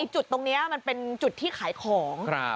จุดตรงนี้มันเป็นจุดที่ขายของ